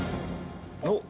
おっ！